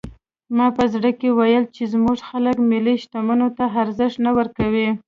ما په زړه کې ویل چې زموږ خلک ملي شتمنیو ته ارزښت نه ورکوي.